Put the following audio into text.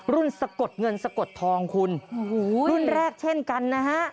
รุ่นสะกดเงินสะกดทองคุณรุ่นแรกเช่นกันนะฮะ